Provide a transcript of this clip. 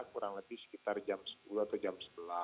kurang lebih sekitar jam sepuluh atau jam sebelas